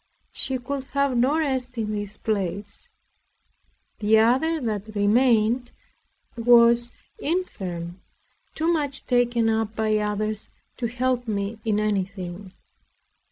She could have no rest in this place, the other that remained was infirm, too much taken up by others to help me in anything.